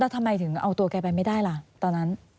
ทำไมถึงเอาตัวแกไปไม่ได้ล่ะตอนนั้น